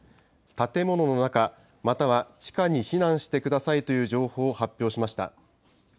建物の中、または地下に避難してくださいという情報を発表しました。